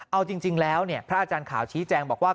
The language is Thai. เอาจริงแล้วพระอาจารย์ขาวชี้แจงบอกว่า